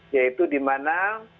ya yaitu dimana